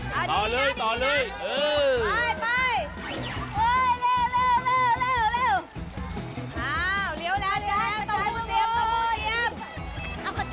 มาช่วยช่วย